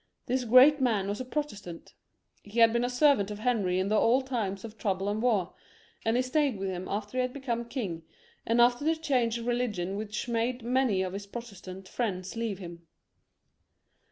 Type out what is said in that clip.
This great man was a Protestant; he had been a servant of Heniy in the old times of trouble and war, and he stayed with him after he had become king, and after the change of religion which made many of his Protestant friends leave him.